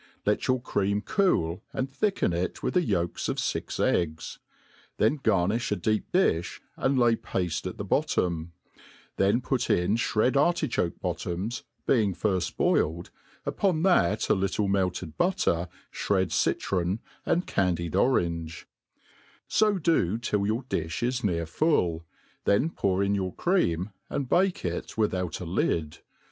Let your cream cool, and thicken it with the yolks of fix eggs ; then garnifh a deep di(h, and lay pafte at the bojttom^ then put in ihred artichoke bottoms, being iirft boiled, upoa that a little melted butter, (hred citron, and candied orange; fo do till your difli is near full, then pour in your cream, and bake it without a lid.